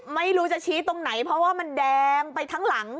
ไม่รู้จะชี้ตรงไหนเพราะว่ามันแดงไปทั้งหลัง